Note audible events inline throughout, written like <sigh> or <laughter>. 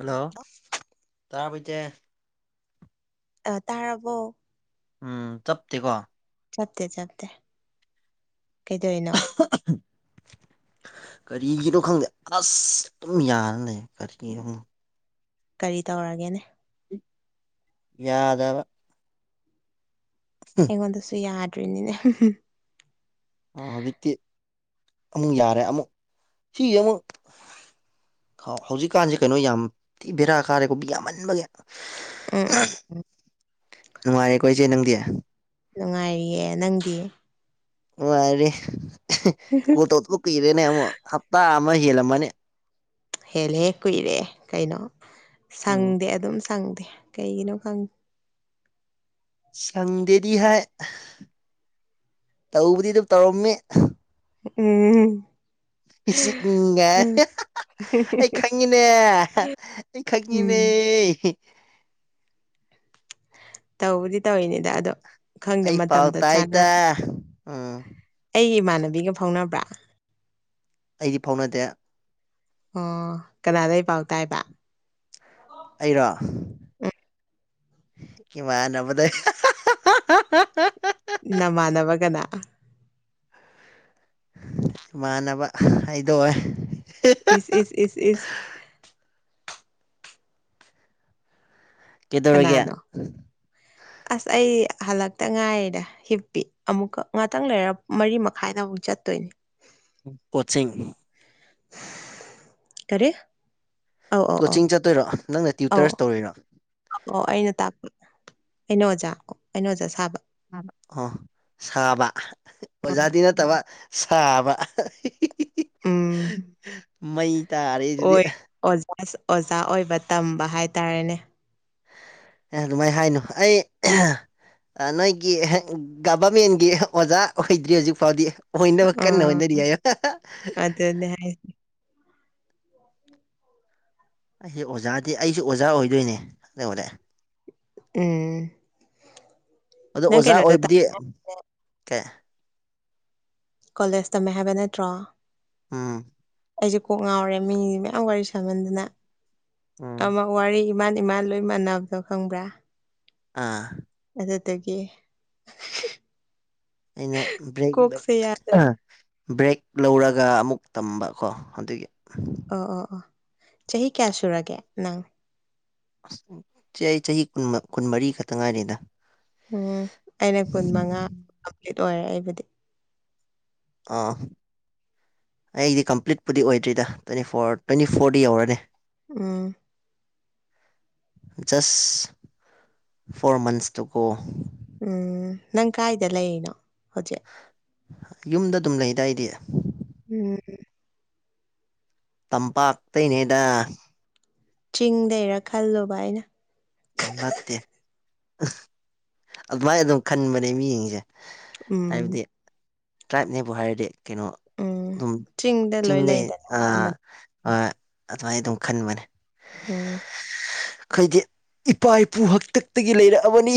Hello ꯇꯥꯕꯩꯗꯤ ꯇꯥꯔꯕꯣ ꯎꯝ ꯆꯞꯇꯦꯀꯣ ꯆꯠꯇꯦ ꯆꯠꯇꯦ ꯀꯩꯗꯣꯏꯅꯣ <inaudible> ꯀꯔꯤꯒꯤꯅꯣ ꯈꯪꯗꯦ ꯑꯁ ꯑꯗꯨꯝ ꯌꯥꯅ ꯂꯩ ꯀꯔꯤꯒꯤꯅꯣ ꯈꯪꯦ ꯀꯔꯤ ꯇꯧꯔꯒꯦꯅꯦ ꯌꯥꯗꯕ ꯑꯩꯉꯣꯟꯗꯁꯨ ꯌꯥꯗ꯭ꯔꯤꯅꯤꯅꯦ ꯑ ꯍꯧꯖꯤꯛꯇꯤ ꯑꯃꯨꯛ ꯌꯥꯔꯦ ꯑꯃꯨꯛ ꯁꯤ ꯑꯃꯨꯛ ꯍꯧꯖꯤꯛꯀꯥꯟꯁꯦ ꯀꯩꯅꯣ ꯌꯥꯝ ꯊꯤ ꯕꯦꯔꯥ ꯀꯥꯔꯦꯀꯣ ꯌꯥꯝꯃꯟꯕꯒꯤ ꯎꯝ ꯅꯨꯡꯉꯥꯏꯔꯦꯀꯣ ꯏꯆꯦ ꯅꯪꯗꯤ ꯅꯨꯡꯉꯥꯏꯔꯤꯌꯦ ꯅꯪꯗꯤ ꯋꯥꯔꯦ ꯀꯣꯜ ꯇꯧ ꯀꯨꯏꯔꯦꯅꯦ ꯑꯃꯨꯛ ꯍꯞꯇꯥ ꯑꯃ ꯍꯦꯜꯂꯝꯃꯅꯦ ꯍꯦꯜꯂꯦ ꯀꯨꯏꯔꯦ ꯀꯩꯅꯣ ꯎꯝ ꯁꯪꯗꯦ ꯑꯗꯨꯝ ꯁꯪꯗꯦ ꯀꯩꯒꯤꯅꯣ ꯁꯪꯗꯦꯗꯤ ꯍꯥꯏ ꯇꯧꯕꯗꯤ ꯑꯗꯨꯝ ꯇꯧꯔꯝꯃꯤ ꯎꯝ ꯏꯁꯤꯒ ꯑꯩ ꯈꯪꯉꯤ ꯈꯪꯀꯤꯅꯦ ꯎꯝ ꯇꯧꯕꯗꯤ ꯇꯧꯏꯅꯤꯗ ꯑꯗꯣ ꯈꯪꯗꯦ ꯑꯩ ꯄꯥꯎ ꯃꯇꯝꯗ ꯆꯥꯟꯅ ꯇꯥꯏꯗ ꯎꯝ ꯑꯩꯒꯤ ꯏꯃꯥꯟꯅꯕꯤꯒ ꯐꯥꯎꯅꯕ꯭ꯔꯥ ꯑꯩꯗꯤ ꯐꯥꯎꯅꯗꯦ ꯑꯣ ꯀꯅꯥꯗꯒꯤ ꯄꯥꯎ ꯇꯥꯏꯕ ꯑꯩꯔꯥ ꯀꯃ ꯅꯕꯗꯥꯏ ꯅꯃꯥꯟꯅꯕꯒꯅ ꯏꯃꯥꯟꯅꯕ ꯍꯥꯏꯗꯣꯏ ꯑꯦꯁ ꯑꯦ ꯑꯦ ꯀꯩꯗꯧꯔꯒꯦ ꯀꯅꯥꯅꯣ <inaudible> ꯑꯁ ꯑꯩ ꯍꯜꯂꯛꯇ ꯉꯥꯏꯔꯤꯗ ꯍꯤꯞꯄꯤ ꯑꯃꯨꯛꯀ ꯉꯥꯛꯇꯪ ꯂꯩꯔ ꯃꯔꯤ ꯃꯈꯥꯏꯗ ꯑꯃꯨꯛ ꯆꯠꯇꯣꯏꯅꯤ ꯀꯣꯆꯤꯡ ꯀꯔꯤꯦ ꯀꯣꯆꯤꯡ ꯆꯠꯇꯣꯏꯔꯥ ꯅꯪꯅ ꯇ꯭ꯌꯨꯇꯔꯁ ꯇꯧꯔꯤꯣꯏꯔꯥ ꯑꯣ ꯑꯩꯅ ꯇꯥꯛꯄ ꯑꯩꯅ ꯑꯣꯖꯥ ꯑꯣ ꯑꯩꯅꯣ ꯑꯣꯖꯥ ꯁꯥꯕ ꯑꯣ ꯁꯥꯕ ꯎꯝ ꯑꯣꯖꯥꯗꯤ ꯅꯠꯇꯕ ꯁꯥꯕ ꯎꯝ ꯃꯩ ꯇꯥꯔꯦ ꯑꯗꯨꯗꯤ ꯑꯁ ꯑꯣꯖꯥ ꯑꯣꯏꯕ ꯇꯝꯕ ꯍꯥꯏꯇꯥꯔꯦꯅꯦ ꯑꯦ ꯑꯗꯨꯃꯥꯏꯅ ꯍꯥꯏꯅꯨ ꯑꯩ ꯅꯣꯏꯒꯤ ꯒꯚꯔꯃꯦꯟꯒꯤ ꯑꯣꯖꯥ ꯑꯣꯏꯗ꯭ꯔꯤ ꯍꯧꯖꯤꯛ ꯐꯥꯎꯗꯤ ꯍ ꯏ ꯀꯅ ꯎꯝ ꯑꯣꯏꯅꯗꯤꯌꯥ ꯍꯥꯏ ꯑꯩꯁꯦ ꯑꯣꯖꯥꯗꯤ ꯑꯩꯁꯨ ꯑꯣꯖꯥ ꯑꯣꯏꯗꯣꯏꯅꯦ ꯑꯣꯔꯑꯦ ꯎꯝ ꯑꯗꯣ ꯅꯪ ꯑꯣꯖꯥ ꯀꯩꯅꯣꯗ ꯇꯝ ꯑꯣꯏꯕꯗꯤ ꯀꯩ ꯀꯣꯂꯦꯖ ꯇꯝꯃꯦ ꯍꯥꯏꯕ ꯅꯠꯇ꯭ꯔꯣ ꯎꯝ ꯑꯩꯁꯦ ꯀꯣꯛ ꯉꯥꯎꯔꯦ ꯃꯤꯁꯦ ꯃꯌꯥꯝ ꯋꯥꯔꯤ ꯁꯥꯍꯟꯗꯅ ꯎꯝ ꯋꯥꯔꯤ ꯏꯃꯥꯟ ꯏꯃꯥꯟ ꯂꯣꯏ ꯃꯥꯟꯅꯕꯗꯣ ꯈꯪꯕ꯭ꯔꯥ ꯑꯥ ꯑꯗꯨꯗꯒꯤ ꯑꯩꯅ ꯭ꯔꯦꯛ ꯀꯣꯛꯁꯦ ꯌꯥꯗ꯭ꯔꯦ ꯕ꯭ꯔꯦꯛ ꯂꯧꯔꯒ ꯑꯃꯨꯛ ꯇꯝꯕꯀꯣ ꯑꯗꯨꯒꯤ ꯑꯣ ꯑꯣ ꯑꯣ ꯆꯍꯤ ꯀꯌꯥ ꯁꯨꯔꯒꯦ ꯅꯪ ꯑꯁ ꯆꯦ ꯑꯩ ꯆꯍꯤ ꯀꯨꯟ ꯀꯨꯟꯃꯔꯤ ꯈꯛꯇ ꯉꯥꯏꯔꯤꯦꯗ ꯎꯝ ꯑꯩꯅ ꯀꯨꯟ ꯃꯉꯥ ꯀꯝꯄ꯭ꯂꯤꯠ ꯑꯣꯏꯔꯦ ꯑꯩꯕꯨꯗꯤ ꯑꯥ꯫ ꯑꯩꯗꯤ ꯀꯝꯄ꯭ꯂꯤꯠꯄꯨꯗꯤ ꯑꯣꯏꯗ꯭ꯔꯤꯗ ꯇ꯭ꯋꯦꯟꯇꯤ ꯐꯣꯔ ꯇ꯭ꯋꯦꯟꯇꯤ ꯐꯣꯔꯗꯤ ꯌꯧꯔꯅꯤ꯫ ꯎꯝ꯫ <unintelligible> ꯖꯁ ꯐꯣꯔ ꯃꯟꯁ ꯇ ꯀꯣ ꯎꯝ ꯅꯪ ꯀꯥꯏꯗ ꯂꯩꯩꯅꯣ ꯍꯧꯖꯤꯛ ꯌꯨꯝꯗ ꯑꯗꯨꯝ ꯂꯩꯗꯥꯏꯗꯤ ꯎꯝ ꯇꯝꯄꯥꯛꯇꯅꯦꯗ ꯆꯤꯡꯗꯔꯥ ꯈꯜꯂꯨꯕ ꯑꯩꯅ ꯎ ꯅꯠꯇꯦ ꯑꯗꯨꯃꯥꯏꯅ ꯑꯗꯨꯝ ꯈꯟꯕꯅꯦ ꯃꯤꯠꯌꯦꯡꯁꯦ ꯎꯝ ꯍꯥꯏꯕꯗꯤ ꯇ꯭ꯔꯥꯏꯞꯅꯦꯕꯨ ꯍꯥꯏꯔꯗꯤ ꯀꯩꯅꯣ ꯎꯝ ꯆꯤꯡꯗ ꯂꯣꯏ ꯆꯤꯡꯅꯩ ꯂꯩꯗꯅ ꯑ ꯑꯌꯥꯝꯕꯅ ꯑ ꯑꯗꯨꯃꯥꯏꯅ ꯑꯗꯨꯝ ꯈꯟꯕꯅꯦ꯫ ꯎꯝ꯫ ꯑꯩꯈꯣꯏꯗꯤ ꯏꯄꯥ ꯏꯄꯨ ꯍꯥꯛꯇꯛꯇꯒꯤ ꯂꯩꯔꯛꯑꯕꯅꯤ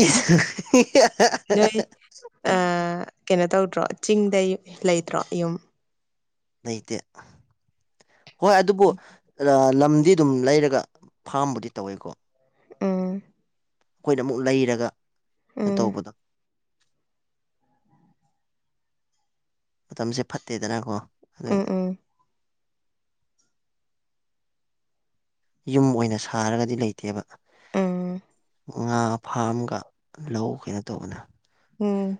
ꯅꯣꯏ ꯑ <unintelligible> <unintelligible> ꯀꯩꯅꯣ ꯇꯧꯗ꯭ꯔꯣ ꯆꯤꯡꯗꯩ ꯂꯩꯇ꯭ꯔꯣ ꯌꯨꯝ ꯂꯩꯇꯦ ꯍꯣꯏ ꯑꯗꯨꯕꯨ ꯂꯝꯗꯤ ꯑꯗꯨꯝ ꯂꯩꯔꯒ ꯐꯥꯝꯕꯨꯗꯤ ꯇꯧꯋꯦꯀꯣ꯫ ꯎꯝ꯫ ꯑꯩꯈꯣꯏꯅ ꯑꯃꯨꯛ ꯂꯩꯔꯒ ꯀꯩꯅꯣ ꯎꯝ ꯇꯧꯕꯗꯣ ꯃꯇꯝꯁꯦ ꯐꯠꯇꯦꯗꯅꯀꯣ ꯑꯗꯨ ꯎꯝ ꯎꯝ꯫ ꯌꯨꯝ ꯑꯣꯏꯅ ꯁꯥꯔꯒꯗꯤ ꯂꯩꯇꯦꯕ꯫ ꯎꯝ꯫ ꯉꯥ ꯐꯥꯝꯒ ꯂꯧ ꯀꯩꯅꯣ ꯇꯧꯕꯅꯦ꯫ ꯎꯝ꯫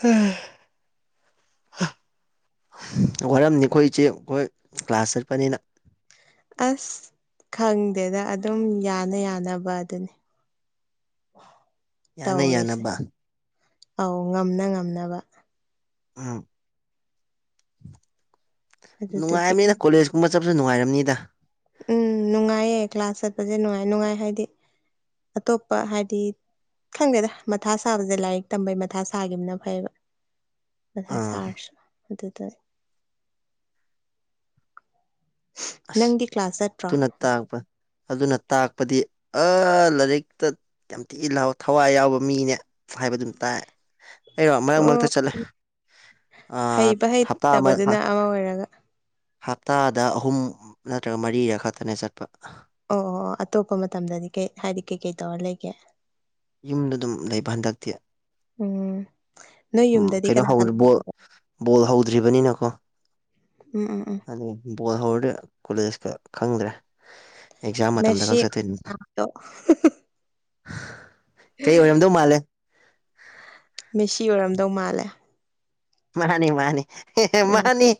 ꯍꯝ ꯋꯥꯔꯝꯅꯤ ꯑꯩꯈꯣꯏ ꯏꯆꯦ ꯍꯣꯏ ꯀ꯭ꯂꯥꯁ ꯆꯠꯄꯅꯤꯅ꯫ ꯑꯁ ꯈꯪꯗꯦꯗ ꯑꯗꯨꯝ ꯌꯥꯅ ꯌꯥꯅꯕ ꯑꯗꯨꯅꯤ꯫ <inaudible> ꯇꯧꯔꯤꯁꯦ ꯌꯥꯅꯕ ꯑꯧ ꯉꯝꯅ ꯉꯝꯅꯕꯪ ꯎꯝ ꯑꯗꯨꯗꯨꯒꯤ ꯅꯨꯡꯉꯥꯏꯔꯝꯅꯤꯗ꯫ ꯀꯣꯂꯦꯖꯀꯨꯝꯕ ꯆꯠꯄꯁꯦ ꯅꯨꯡꯉꯥꯏꯔꯝꯅꯤꯗ꯫ ꯎꯝ ꯅꯨꯡꯉꯥꯏꯌꯦ ꯀ꯭ꯂꯥꯁ ꯆꯠꯄꯁꯦ ꯅꯨꯡꯉꯥꯏ ꯅꯨꯡꯉꯥꯏ ꯍꯥꯏꯗꯤ ꯑꯇꯣꯞꯄ ꯍꯥꯏꯗꯤ ꯈꯪꯗꯦꯗ ꯃꯊꯥ ꯁꯥꯕꯁꯦ ꯂꯥꯏꯔꯤꯛ ꯇꯝꯕꯩ ꯃꯊꯥ ꯁꯥꯒꯤꯕꯅ ꯐꯩꯌꯦꯕ꯫ ꯃꯊꯥ ꯑꯥ ꯁꯥꯔꯁꯨ ꯑꯗꯨꯗ ꯑꯁ ꯅꯪꯗꯤ ꯀ꯭ꯂꯥꯁ ꯆꯠꯇ꯭ꯔꯣ ꯑꯗꯨꯅ ꯇꯥꯛꯄ ꯑꯗꯨꯅ ꯇꯥꯛꯄꯗꯤ ꯑ ꯂꯥꯏꯔꯤꯛꯇ ꯌꯥꯝ ꯊꯤ ꯂꯥꯎ ꯊꯋꯥꯏ ꯌꯥꯎꯕ ꯃꯤꯅꯦ ꯍꯥꯏꯕꯗꯨꯝ ꯇꯥꯏ꯫ ꯑꯩꯩꯔꯣ ꯃꯔꯛ ꯑꯣ ꯃꯔꯛꯇ ꯆꯠꯂꯦ ꯑ ꯍꯩꯕ ꯍꯞꯇꯥ ꯑꯃ ꯍꯩꯇꯕꯗꯨꯅ ꯑꯃ ꯑꯣꯏꯔꯒ ꯍꯞꯇꯥꯗ ꯑꯍꯨꯝ ꯅꯠꯇ꯭ꯔꯒ ꯃꯔꯤꯔꯛ ꯈꯛꯇꯅꯦ ꯆꯠꯄ꯫ ꯑꯣ ꯑꯣ ꯑꯣ ꯑꯇꯣꯞꯄ ꯃꯇꯝꯗꯗꯤ ꯀꯩ ꯍꯥꯏꯗꯤ ꯀꯩꯀꯩ ꯇꯧꯔ ꯂꯩꯒꯦ꯫ ꯌꯨꯝꯗ ꯑꯗꯨꯝ ꯂꯩꯕ ꯍꯟꯗꯛꯇꯤ꯫ ꯎꯝ ꯅꯣꯏ ꯎꯝ ꯌꯨꯝꯗꯗꯤ ꯀꯩꯅꯣ ꯀꯅꯥ ꯍꯧꯗꯤ ꯀꯅꯥ ꯕꯣꯜ ꯕꯣꯜ ꯍꯧꯗ꯭ꯔꯤꯕꯅꯤꯅꯀꯣ꯫ ꯎꯝ ꯎꯝ ꯎꯝ꯫ ꯑꯗꯒꯤ ꯕꯣꯜ ꯍꯧꯔꯗꯤ ꯀꯣꯂꯦꯖꯀ ꯈꯪꯗ꯭ꯔꯦ꯫ ꯑꯦꯛꯖꯥꯝ ꯃꯇꯝꯗ ꯃꯦꯁꯤ ꯈꯛ ꯆꯠꯇꯣꯏꯅꯤ ꯀꯩ ꯑꯣꯏꯔꯝꯗꯧ ꯃꯥꯜꯂꯦ꯫ ꯃꯦꯁꯤ ꯑꯣꯏꯔꯝꯗꯧ ꯃꯥꯜꯂꯦ꯫ ꯃꯥꯅꯤ ꯃꯥꯅꯤ ꯍꯦ ꯍꯦ ꯎꯝ ꯃꯥꯅꯤ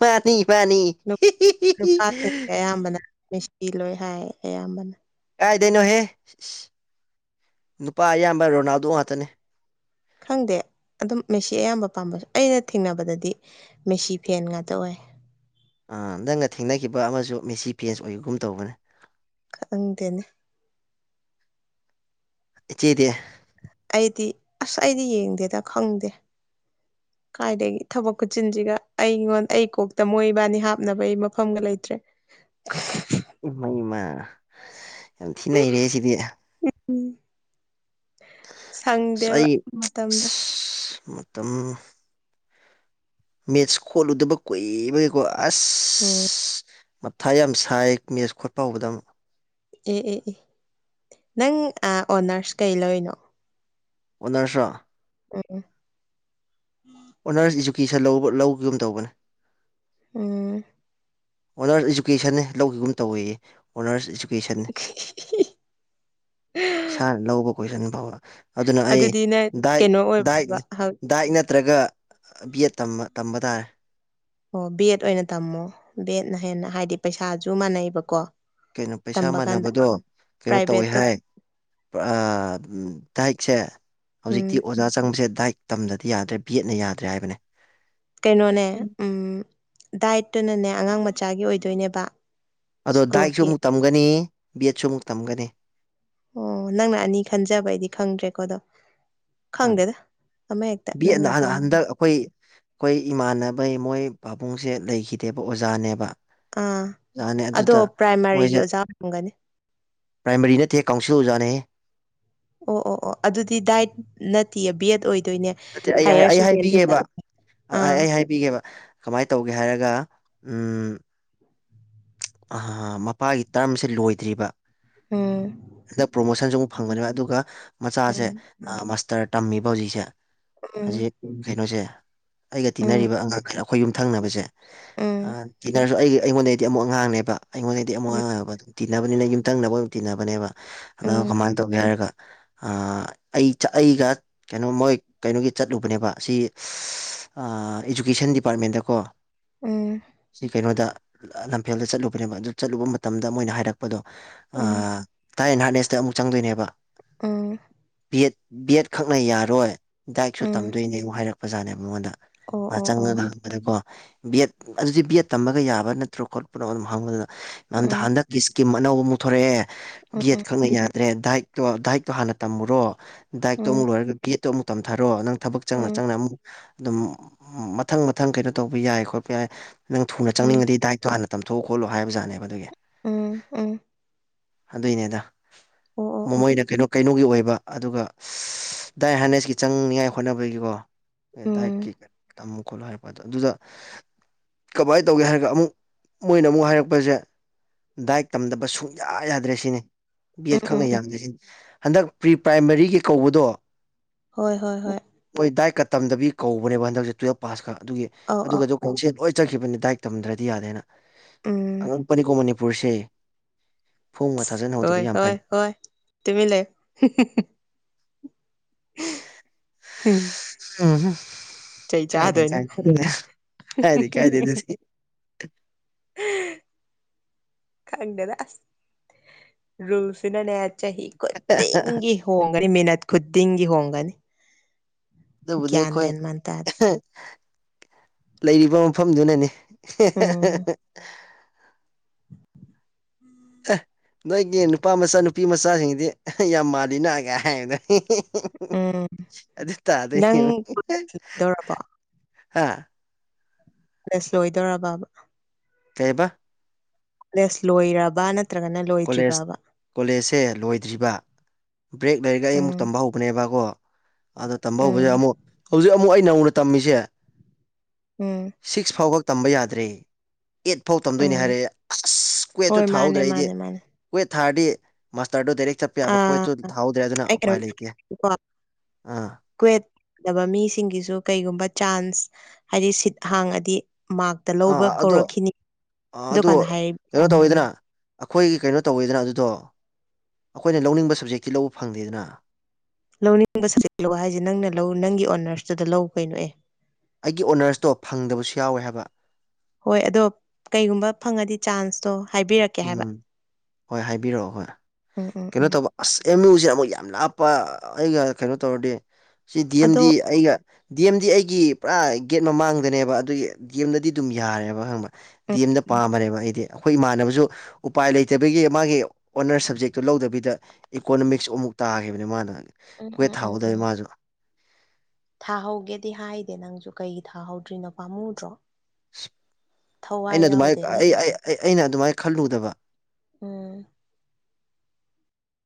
ꯃꯥꯅꯤ ꯃꯥꯅꯤ ꯍꯤ ꯍꯤ ꯅꯨꯄꯥꯁꯤꯡꯁꯦ ꯑꯌꯥꯝꯕꯅ ꯃꯤꯁꯇꯤ ꯂꯣꯏ ꯍꯥꯏ ꯑꯌꯥꯝꯕꯅ ꯀꯥꯏꯗꯩꯅꯣꯍꯦ ꯅꯨꯄꯥ ꯑꯌꯥꯝꯕ ꯔꯣꯅꯥꯜꯗꯣ ꯉꯥꯛꯇꯅꯦ ꯈꯪꯗꯦ ꯑꯗꯨꯝ ꯃꯦꯁꯤ ꯑꯌꯥꯝꯕ ꯄꯥꯝꯕꯁꯨ ꯑꯩꯅ ꯊꯦꯡꯅꯕꯗꯗꯤ ꯃꯦꯁꯤ ꯐꯦꯟ ꯉꯥꯛꯇ ꯑꯣꯏ ꯅꯪꯅ ꯊꯦꯡꯅꯈꯤꯕ ꯑꯃꯁꯨ ꯃꯦꯁꯤ ꯄꯦꯟꯁ ꯑꯣꯏꯕꯒꯨꯝ ꯇꯧꯕꯅꯦ ꯈꯪꯪꯗꯦꯅꯦ ꯆꯦꯇ ꯑꯩꯗꯤ ꯑꯁ ꯑꯩꯗꯤ ꯌꯦꯡꯗꯦꯗ ꯈꯪꯗꯦ꯫ <inaudible> ꯀꯥꯏꯗꯒꯤ ꯊꯕꯛ ꯈꯨꯨꯠꯆꯤꯟꯁꯤꯒ ꯑꯩꯉꯣꯟ ꯑꯩ ꯀꯣꯛꯇ ꯃꯣꯏꯕꯥꯏꯅꯤ ꯍꯥꯞꯅꯕ ꯑꯩ ꯃꯐꯝꯒ ꯂꯩꯇ꯭ꯔꯦ꯫ <inaudible> ꯏꯃꯩ ꯃꯥ ꯌꯥꯝ ꯊꯤꯅ ꯅꯩꯔꯦꯍꯦ ꯁꯤꯗꯤ꯫ ꯑꯁ ꯁꯪꯗꯦꯕ ꯃꯇꯝꯗꯣ꯫ ꯇꯝ ꯃꯦꯠꯁ ꯈꯣꯠꯂꯨꯗꯕ ꯀꯨꯏꯕꯒꯤꯀꯣ ꯑꯁ ꯎꯝ ꯃꯊꯥ ꯌꯥꯝ ꯁꯥꯏ ꯃꯦꯁ ꯈꯣꯠꯄ ꯍꯧꯕꯗ ꯑꯃꯨꯛ ꯑꯦ ꯑꯦ ꯑꯦ ꯅꯪ ꯑꯥ ꯑꯣꯅꯔꯁ ꯀꯩ ꯂꯧꯔꯤꯅꯣ ꯑꯣꯅꯔꯁ ꯔꯣ ꯑꯣ ꯑ ꯑꯣꯅꯔꯁ ꯏꯖꯨꯀꯦꯁꯟ ꯂꯧꯕ ꯂꯧꯕꯗꯨꯝ ꯇꯧꯕꯅꯦ ꯎꯝ ꯑꯣꯅꯔꯁ ꯏꯖꯨꯀꯦꯁꯟꯅꯦ ꯂꯧꯈꯤꯒꯨꯝ ꯇꯧꯋꯌꯦ ꯑꯣꯅꯔꯁ ꯏꯖꯨ ꯄꯦꯁꯟꯅꯦ ꯏꯁꯅ ꯂꯧꯕ ꯀꯣꯏꯁꯟ ꯐꯥꯎꯕ ꯑꯗꯨꯅ ꯑꯩ ꯑꯗꯨꯗꯤ ꯅꯪ ꯗꯥꯏꯠ ꯀꯩꯅꯣ ꯗꯥꯏꯠ ꯑꯣꯏꯕ ꯗꯥꯏꯠ ꯅꯠꯇ꯭ꯔꯒ ꯑ ꯕꯤꯑꯦꯠ ꯇꯝꯃ ꯇꯝꯕ ꯇꯥꯔꯦ ꯑꯣ ꯕꯤꯑꯦꯠ ꯑꯣꯏꯅ ꯇꯝꯃꯣ ꯕꯤꯑꯦꯠꯅ ꯍꯦꯟꯅ ꯍꯥꯏꯗꯤ ꯄꯩꯁꯥꯁꯨ ꯃꯥꯟꯅꯩꯕꯀꯣ ꯀꯩꯅꯣ ꯄꯩꯁꯥ ꯇꯝꯕ ꯀꯥꯟꯗ ꯃꯥꯟꯅꯕꯗꯣ ꯀꯩꯅꯣ ꯇꯧꯋꯦ ꯄ꯭ꯔꯥꯏꯚꯦꯠꯇ ꯍꯥꯏ ꯄ ꯑꯗꯨꯝ ꯗꯥꯏꯠꯁꯦ ꯎꯝ ꯍꯧꯖꯤꯛꯇꯤ ꯑꯣꯖꯥ ꯆꯪꯕꯁꯦ ꯗꯥꯏꯠ ꯇꯝꯗꯗꯤ ꯌꯥꯗ꯭ꯔꯦ ꯕꯦꯠꯅ ꯌꯥꯗ꯭ꯔꯦ ꯍꯥꯏꯕꯅꯦ ꯀꯩꯅꯣꯅꯦ ꯎꯝ ꯗꯥꯏꯠꯇꯨꯅꯅꯦ ꯑꯉꯥꯡ ꯃꯆꯥꯒꯤ ꯑꯣꯏꯗꯣꯏꯅꯦꯕ ꯑꯗꯣ ꯗꯥꯏꯛꯁꯨ ꯁ꯭ꯀꯨꯜꯒꯤ ꯑꯃꯨꯛ ꯇꯝꯒꯅꯤ ꯕꯦꯠꯁꯨ ꯑꯃꯨꯛ ꯇꯝꯒꯅꯤ ꯑꯣ ꯅꯪꯅ ꯑꯅꯤ ꯈꯟꯖꯕ ꯑꯩꯗꯤ ꯈꯪꯗ꯭ꯔꯦꯀꯣ ꯑꯗꯣ ꯈꯪꯗꯦꯗ ꯑꯃ ꯍꯦꯛꯇ ꯕꯤ ꯅꯪꯅ ꯑꯦꯗꯅ ꯍꯟ ꯑꯄꯥꯝꯕꯅꯦ ꯍꯟꯗꯛ ꯑꯩꯈꯣꯏ ꯑꯩꯈꯣꯏ ꯏꯃꯥꯟꯅꯕꯩ ꯃꯣꯏ ꯄꯥꯕꯨꯡꯁꯦ ꯂꯩꯈꯤꯗꯦꯕ ꯑꯣꯖꯥꯅꯦꯕ ꯑꯥ ꯑꯣꯖꯥꯅꯦ ꯑꯗꯣ ꯑꯗꯨꯗ ꯄ꯭ꯔꯥꯏꯃꯥꯔꯤꯒꯤ ꯑꯣꯖꯥ ꯑꯣꯏꯔꯝꯒꯅꯤ ꯄ꯭ꯔꯥꯏꯃꯔꯤ ꯅꯠꯇꯦꯍꯦ ꯀꯥꯎꯟꯁꯤꯜ ꯑꯣꯖꯥꯅꯦꯍꯦ ꯑꯣ ꯑꯣ ꯑꯣ ꯑꯗꯨꯗꯤ ꯗꯥꯏꯠ ꯅꯠꯇꯦꯌꯦ ꯕꯤꯑꯦꯠ ꯑꯣꯏꯗꯣꯏꯅꯦ ꯅꯠꯇꯦ ꯑꯩ ꯍꯥꯏꯌꯔ ꯑꯩ ꯁꯦꯀꯦꯟꯗꯔꯤꯗ ꯍꯥꯏꯕꯤꯒꯦꯕ ꯑꯩ ꯑꯥ ꯑꯩ ꯍꯥꯏ ꯄꯤꯒꯦꯕ ꯀꯃꯥꯏꯅ ꯇꯧꯒꯦ ꯍꯥꯏꯔꯒ ꯎꯝ ꯑ ꯃꯄꯥꯒꯤ ꯇꯔꯝꯁꯦ ꯂꯣꯏꯗ꯭ꯔꯤꯕ ꯎꯝ ꯍꯟꯗꯛ ꯄ꯭ꯔꯣꯃꯣꯁꯟꯁꯨ ꯑꯃꯨꯛ ꯐꯪꯕꯅꯦꯕ ꯑꯗꯨꯒ ꯃꯆꯥꯁꯦ ꯎꯝ ꯃꯥꯁꯇꯔ ꯇꯝꯃꯤꯕ ꯍꯧꯖꯤꯛꯁꯦ ꯎꯝ ꯍꯧꯖꯤꯛ ꯀꯩꯅꯣꯁꯦ ꯑꯩꯒ ꯎꯝ ꯇꯤꯟꯅꯔꯤꯕ ꯑꯉꯛ ꯑꯩꯈꯣꯏ ꯌꯨꯝ ꯊꯪꯅꯕꯁꯦ ꯎꯝ ꯇꯤꯅꯔꯁꯨ ꯑꯩꯒꯤ ꯑꯩꯉꯣꯟꯗꯩꯗꯤ ꯑꯃꯨꯛ ꯑꯉꯥꯡꯅꯦꯕ ꯑꯩꯉꯣꯟꯗꯩꯗꯤ ꯑꯃꯨꯛ ꯎꯝ ꯑꯉꯥꯡ ꯑꯣꯏꯕ ꯑꯗꯨꯝ ꯇꯤꯟꯅꯕꯅꯤꯅ ꯌꯨꯝꯊꯪꯅꯕ ꯑꯣꯏꯅ ꯇꯤꯟꯅꯕꯅꯦꯕ ꯑꯗꯣ ꯎꯝ ꯀꯃꯥꯏꯅ ꯇꯧꯒꯦ ꯍꯥꯏꯔꯒ ꯑꯩ ꯑꯩꯒ ꯀꯩꯅꯣ ꯃꯣꯏ ꯀꯩꯅꯣꯒꯤ ꯆꯠꯂꯨꯕꯅꯦꯕ ꯑꯁꯤ ꯏꯗꯨꯨꯀꯦꯁꯟ ꯗꯤꯄꯥꯔꯠꯃꯦꯟꯗꯀꯣ ꯁꯤ ꯀꯩꯅꯣꯗ ꯂꯝꯐꯦꯜꯗ ꯆꯠꯂꯨꯕꯅꯦꯕ ꯑꯗꯨ ꯆꯠꯂꯨꯕ ꯃꯇꯝꯗ ꯃꯣꯏꯅ ꯍꯥꯏꯔꯛꯄ ꯗꯣ ꯎꯝ ꯎꯝ ꯊꯥꯏ ꯑꯦꯟ ꯍꯥꯔꯠꯅꯦꯁꯇ ꯑꯃꯨꯛ ꯆꯪꯗꯣꯏꯅꯦꯕ ꯑ ꯕꯤ ꯑꯦꯠ ꯕꯤ ꯑꯦꯗ ꯈꯛꯅ ꯌꯥꯔꯣꯏ ꯗꯥꯏꯛꯁꯨ ꯎꯝ ꯇꯝꯗꯣꯏꯅꯦ ꯑꯃꯨꯛ ꯍꯥꯏꯔꯛꯄꯖꯥꯠꯅꯦ ꯃꯉꯣꯟꯗ ꯑꯣ ꯃꯥ ꯑꯣ ꯑꯣ ꯆꯪꯉꯒ ꯍꯪꯕꯗꯀꯣ ꯕꯤꯑꯦꯠ ꯑꯗꯨꯗꯤ ꯕꯤꯑꯦꯠ ꯇꯝꯃꯒ ꯌꯥꯕ ꯅꯠꯇ꯭ꯔꯣ ꯈꯣꯠ ꯄꯨꯝꯅꯃꯛ ꯑꯗꯨꯝ ꯍꯪꯕꯗꯗꯨꯗ ꯅꯍꯟꯗ ꯎꯝ ꯍꯟꯗꯛꯀꯤ ꯏꯁꯀꯤꯝ ꯑꯅꯧꯕ ꯑꯃꯨꯛ ꯊꯣꯛꯔꯛꯑꯦ ꯎꯝ ꯕꯤꯑꯦꯗ ꯎꯝ ꯈꯪꯅ ꯌꯥ ꯇꯔ꯭ꯦꯟ ꯗꯥꯏꯛꯇꯣ ꯗꯥꯏꯛꯇꯣ ꯍꯥꯟꯅ ꯇꯝꯃꯨꯔ ꯗꯥꯏꯛꯇꯣ ꯑꯃꯨꯛ ꯎꯝ ꯂꯣꯏꯔꯒ ꯕꯦꯠꯇꯣ ꯑꯃꯨꯛ ꯇꯝꯊꯔꯣ ꯅꯪ ꯊꯕꯛ ꯆꯪꯅ ꯆꯪꯅ ꯑꯃꯨꯛ ꯑꯗꯨꯝ ꯃꯊꯪ ꯃꯊꯪ ꯀꯩꯅꯣ ꯇꯧꯕ ꯌꯥꯏ ꯈꯣꯠꯄ ꯌꯥꯏ ꯅꯪ ꯊꯨꯅ ꯎꯝ ꯆꯪꯅꯤꯡꯉꯗꯤ ꯗꯥꯏꯠꯇꯣ ꯍꯥꯟꯅ ꯇꯝꯊꯣꯛꯑꯣ ꯈꯣꯠꯂꯣ ꯍꯥꯏꯕꯖꯥꯠꯅꯦꯕ ꯑꯗꯨꯒꯤ ꯎꯝ ꯎꯝ ꯑꯗꯨꯏꯅꯦꯗ ꯑꯣ ꯑꯣ ꯑꯣ ꯃꯃꯣꯏꯅ ꯀꯩꯅꯣ ꯀꯩꯅꯣꯒꯤ ꯑꯣꯏꯕ ꯑꯗꯨꯒ ꯗꯥꯏ ꯍꯥꯏꯔꯅꯦꯁꯀꯤ ꯆꯪꯅꯤꯉꯥꯏ ꯍꯣꯠꯅꯕꯒꯤꯀꯣ ꯎꯝ ꯗꯥꯏꯛꯀꯤ ꯇꯝꯃꯨ ꯈꯣꯠꯂꯣ ꯍꯥꯏꯔꯛꯄꯗ ꯑꯗꯨꯗ ꯀꯃꯥꯏꯅ ꯇꯧꯒꯦ ꯍꯥꯏꯔꯒ ꯑꯃꯨꯛ ꯃꯣꯏꯅ ꯑꯃꯨꯛ ꯍꯥꯏꯔꯛꯄꯁꯦ ꯗꯥꯏꯠ ꯇꯝꯗꯕ ꯁꯨꯡꯌꯥ ꯌꯥꯗ꯭ꯔꯦ ꯁꯤꯅꯤ ꯕꯤ ꯎꯝ ꯑꯦꯗ ꯎꯝ ꯈꯛꯅ ꯎꯝ ꯌꯥꯝꯖꯁꯤ ꯍꯟꯗꯛ ꯄ꯭ꯔꯤ ꯄ꯭ꯔꯥꯏꯃꯥꯔꯤꯒꯤ ꯀꯧꯕꯗꯣ ꯍꯣꯏ ꯍꯣꯏ ꯍꯣꯏ ꯍꯣꯏ ꯗꯥꯏꯠꯀ ꯇꯝꯗꯕꯤ ꯀꯧꯕꯅꯦꯕ ꯍꯟꯗꯛꯁꯦ ꯇꯨꯋꯦꯜꯞ ꯄꯥꯁꯀ ꯑꯗꯨꯒꯤ ꯑꯧ ꯑꯧ ꯑꯗꯨꯒꯗꯨ ꯈꯪꯁꯦ ꯂꯣꯏ ꯆꯠꯈꯤꯕꯅꯤ ꯗꯥꯏꯛ ꯇꯝꯗ꯭ꯔꯗꯤ ꯌꯥꯗꯦꯅ ꯎꯝ ꯑꯉꯛꯄꯅꯤꯀꯣ ꯃꯅꯤꯄꯨꯔꯁꯦ ꯐꯣꯝꯒ ꯍꯣꯏ ꯊꯥꯖꯤꯟꯍꯧꯗꯕ ꯌꯥꯝ ꯍꯣꯏ ꯐꯩ ꯍꯣꯏ ꯇꯃꯤ ꯂꯩꯥꯛ ꯍꯨꯝ ꯎꯝ ꯆꯩ ꯀꯥꯏꯗ ꯆꯥꯗꯣꯏꯅꯦ ꯀꯥꯏ ꯀꯥꯏꯗꯤ ꯀꯥꯏꯗꯁꯤ ꯈꯪꯗꯦꯗ ꯔꯨꯜꯁꯤꯅꯅꯦ ꯆꯍꯤ ꯈꯨꯗꯤꯡꯒꯤ ꯍꯣꯡꯒꯅꯤ ꯃꯤꯅꯠ ꯈꯨꯗꯤꯡꯒꯤ ꯍꯣꯡꯒꯅꯤ ꯗꯕꯨꯗꯤ ꯒ꯭ꯌꯥꯟ ꯈꯣꯏꯣꯏ ꯃꯦꯟ ꯃꯥꯟ ꯇꯥꯗꯦ ꯂꯩꯔꯤꯕ ꯃꯐꯝꯗꯨꯅꯅꯤ ꯎꯝ <unintelligible> ꯑ ꯅꯣꯏꯒꯤ ꯅꯨꯄꯥ ꯃꯆꯥ ꯅꯨꯄꯤ ꯃꯆꯥꯁꯤꯡꯗꯤ ꯌꯥꯝ ꯃꯥꯜꯂꯤ ꯅꯥꯑꯒꯦ ꯍꯥꯏꯕꯗꯅꯤ ꯎꯝ ꯑꯗꯤ ꯅꯪ ꯇꯥꯗꯅꯤꯌꯝ ꯀꯣꯂꯦꯖ ꯂꯣꯏꯗꯧꯔꯕꯣ ꯍꯥ ꯄꯁ ꯂꯣꯏꯗꯣꯏꯔꯕꯕ ꯀꯦꯕ ꯂꯦꯁ ꯂꯣꯏꯔꯕ ꯅꯠꯇ꯭ꯔꯒꯅ ꯀꯣꯂꯦꯖ ꯂꯣꯏꯗ꯭ꯔꯤꯕꯕ ꯀꯣꯂꯦꯖꯁꯦ ꯂꯣꯏꯗ꯭ꯔꯤꯕ ꯕ꯭ꯔꯦꯛ ꯂꯩꯔꯒ ꯑꯩ ꯑꯃꯨꯛ ꯎꯝ ꯇꯝꯕ ꯍꯧꯕꯅꯦꯕꯀꯣ ꯑꯗ ꯇꯝꯕ ꯍꯧꯕꯁꯦ ꯎꯝ ꯑꯃꯨꯛ ꯍꯧꯖꯤꯛ ꯑꯃꯨꯛ ꯑꯩ ꯅꯧꯅ ꯇꯝꯃꯤꯁꯦ ꯎꯝ ꯁꯤꯛꯁ ꯐꯥꯎꯈ ꯇꯝꯕ ꯌꯥꯗ꯭ꯔꯦ ꯑꯦꯠ ꯐꯥꯎ ꯇꯝꯗꯣꯏꯅꯦ ꯎꯝ ꯍꯥꯏꯔꯛꯑꯦ ꯑꯁ ꯍꯣꯏ ꯀ꯭ꯋꯦꯠꯁꯨꯨ ꯃꯥꯅꯦ ꯊꯥꯍꯧꯗ꯭ꯔꯦ ꯑꯩꯗꯤ ꯃꯥꯅꯦ ꯃꯥꯅꯦ ꯀꯨꯣꯏꯠ ꯊꯥꯔꯗꯤ ꯃꯥꯁꯇꯔꯗꯨꯣ ꯗꯥꯏꯔꯦꯛ ꯆꯠꯄ ꯄ ꯌꯥꯕ ꯑꯥ ꯀ꯭ꯋꯠꯇꯨ ꯊꯥꯍꯧꯗ꯭ꯔꯦ ꯑꯗꯨꯅ ꯑꯩ ꯎꯄꯥꯏ ꯀꯩꯅꯣꯝ ꯂꯩꯇꯦ ꯑꯥ ꯀ꯭ꯋꯦꯗꯕ ꯃꯤꯁꯤꯡꯒꯤꯁꯨ ꯀꯩꯒꯨꯝꯕ ꯆꯥꯟꯁ ꯍꯥꯏꯗꯤ ꯁꯤꯠ ꯍꯥꯡꯉꯗꯤ ꯃꯔ ꯇ ꯂꯧꯕ ꯑꯥ ꯑꯗꯣ ꯀꯧꯔꯛꯈꯤꯅꯤ ꯑꯗꯨ ꯑꯗꯣ ꯀꯥꯟꯗ ꯍꯥꯏ ꯀꯩꯅꯣ ꯇꯧꯋꯤꯗꯅ ꯑꯩꯈꯣꯏꯒꯤ ꯀꯩꯅꯣ ꯇꯧꯋꯤꯗꯅ ꯑꯗꯨꯗꯣ ꯑꯩꯈꯣꯏꯅ ꯂꯧꯅꯤꯡꯕ ꯁꯕꯖꯦꯛꯇꯤ ꯂꯧꯕ ꯐꯪꯗꯦꯗꯅ ꯂꯧꯅꯤꯡꯕ ꯁ ꯂꯧ ꯍꯥꯏꯁꯦ ꯅꯪꯅ ꯂꯧ ꯅꯪꯒꯤ ꯑꯣꯅꯔꯁꯇꯨꯗ ꯂꯧ ꯀꯩꯅꯣ ꯑꯦ ꯑꯩꯒꯤ ꯑꯣꯅꯔꯁꯇꯣ ꯐꯪꯗꯕꯁꯨ ꯌꯥꯎꯋꯦ ꯍꯥꯏꯕ ꯍꯣꯏ ꯑꯗꯣ ꯀꯩꯒꯨꯝꯕ ꯐꯪꯉꯗꯤ ꯆꯥꯟꯁꯇꯣ ꯍꯥꯏꯕꯤꯔꯛꯀꯦ ꯍꯥꯏꯕ ꯎꯝ ꯍꯣꯏ ꯍꯥꯏꯕꯤꯔꯛꯑꯣ ꯍꯣꯏ ꯎꯝ ꯎꯝ ꯀꯩꯅꯣ ꯎꯝ ꯇꯧꯕ ꯑꯁ ꯑꯦꯝ ꯌꯨꯁꯤꯦ ꯑꯃꯨꯛ ꯌꯥꯝ ꯂꯥꯞꯄ ꯑꯩꯒ ꯀꯩꯅꯣ ꯇꯧꯔꯗꯤ ꯁꯤ ꯗꯤ ꯑꯦꯝ ꯑꯗꯣ ꯗꯤ ꯑꯩꯒ ꯗꯤ ꯑꯦꯝꯗꯤ ꯑꯩꯒꯤ ꯄꯨꯔꯥ ꯒꯦꯠ ꯃꯃꯥꯡꯗꯅꯦꯕ ꯑꯗꯨꯒꯤ ꯗꯤ ꯑꯦꯝꯗꯗꯤ ꯑꯗꯨꯝ ꯌꯥꯔꯦꯕ ꯍꯪꯕ ꯗꯤ ꯎꯝ ꯑꯦꯝꯅ ꯎꯝ ꯄꯥꯝꯃꯅꯦꯕ ꯑꯩꯗꯤ ꯑꯩꯈꯣꯏ ꯏꯃꯥꯟꯅꯕꯁꯨ ꯎꯄꯥꯏ ꯂꯩꯇꯕꯤꯒꯤ ꯃꯥꯒꯤ ꯑꯣꯅꯔ ꯁꯕꯖꯦꯛꯇꯨ ꯂꯧꯗꯕꯤꯗ ꯏꯀꯣꯅꯣꯃꯤꯛꯁ ꯑꯃꯨꯛ ꯇꯥꯈꯤꯕꯅꯤ ꯃꯥꯅ ꯎꯝ ꯀ꯭ꯋꯦꯠ ꯎꯝ ꯎꯝ ꯊꯥꯍꯧꯗꯕ ꯎꯝ ꯃꯥꯁꯨ ꯊꯥꯍꯧꯒꯦꯗꯤ ꯍꯥꯏꯗꯦ ꯅꯪꯁꯨ ꯀꯩ ꯊꯥꯍꯧꯗ꯭ꯔꯤꯅꯣ ꯄꯥꯝꯃꯨꯗ꯭ꯔꯣ ꯊꯋꯥꯏ ꯑꯩꯅ ꯑꯗꯨꯃꯥꯏꯅ ꯌꯥꯎꯗꯦꯅꯦ ꯑꯩ ꯑꯩꯅ ꯑꯗꯨꯃꯥꯏꯅ ꯈꯜꯂꯨꯗꯕ ꯎꯝ